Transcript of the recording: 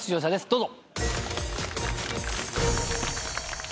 どうぞ。